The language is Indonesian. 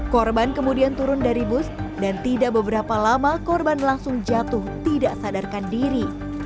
korban kemudian turun dari bus dan tidak beberapa lama korban langsung jatuh tidak sadarkan diri